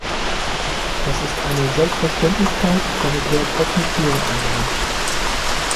Das ist eine Selbstverständlichkeit, damit werden offene Türen eingerannt.